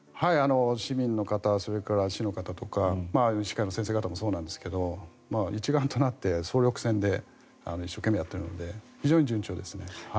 市民の方それから市の方とか医師会の先生方もそうなんですけど一丸となって総力戦で一生懸命やっているので非常に順調ですね。